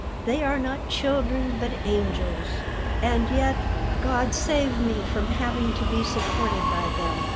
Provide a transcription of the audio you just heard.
They are not children, but angels. And yet God save me from having to be supported by them.